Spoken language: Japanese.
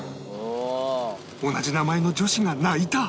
同じ名前の女子が泣いた！